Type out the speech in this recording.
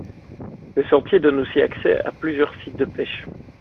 Le sentier donne aussi accès à plusieurs sites de pêches.